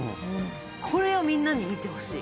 これをみんなに見てほしい。